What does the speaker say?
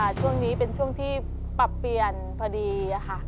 ช่วงนี้เป็นช่วงที่ปรับเปลี่ยนพอดีค่ะ